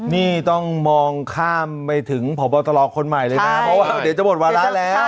นี่ต้องมองข้ามไปถึงพบตรคนใหม่เลยนะเพราะว่าเดี๋ยวจะหมดวาระแล้ว